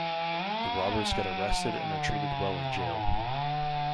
The robbers get arrested and are treated well in jail.